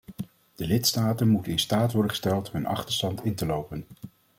De lidstaten moeten in staat worden gesteld hun achterstand in te lopen.